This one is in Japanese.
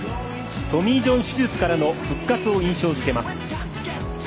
トミー・ジョン手術からの復活を印象付けます。